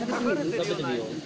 食べてみよう！